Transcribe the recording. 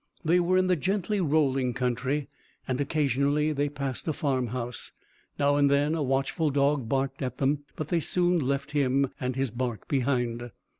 They were in the gently rolling country, and occasionally they passed a farmhouse. Now and then, a watchful dog barked at them, but they soon left him and his bark behind.